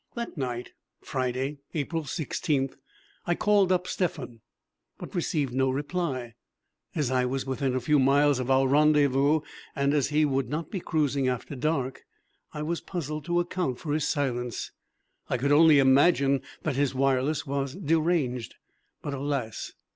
That night (Friday, April 16th) I called up Stephan, but received no reply. As I was within a few miles of our rendezvous, and as he would not be cruising after dark, I was puzzled to account for his silence. I could only imagine that his wireless was deranged. But, alas!